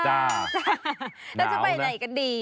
เราจะไปไหนกันดี